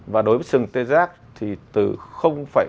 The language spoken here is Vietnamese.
và đối với sừng tê giác thì từ năm kg